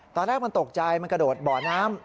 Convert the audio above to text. ตอนแรกมันตกใจมันกระโดดบ่อน้ำ